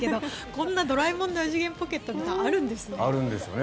こんな「ドラえもん」の四次元ポケットみたいなものあるんですね。